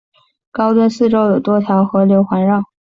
高墩四周有多条河流环绕。